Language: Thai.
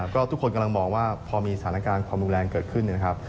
ก็ทุกคนกำลังมองว่าพอมีสถานการณ์ความรุนแรงเกิดขึ้นนะครับ